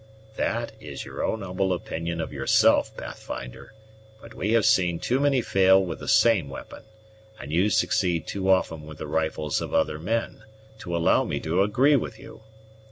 "That is your own humble opinion of yourself, Pathfinder; but we have seen too many fail with the same weapon, and you succeed too often with the rifles of other men, to allow me to agree with you.